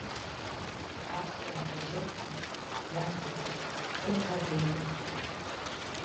Аԥсуа мҳаџьырқәа, иамуит, рыбӷа рзеиҵымхит.